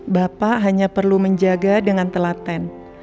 bapak hanya perlu menjaga dengan telaten